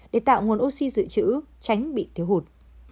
để tạo nguồn oxy dự trữ tránh bị thiếu hụt